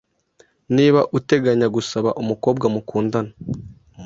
Niba uteganya gusaba umukobwa mukundana